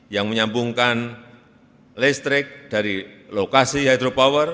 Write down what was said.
yang menyambungkan listrik dari lokasi hydropower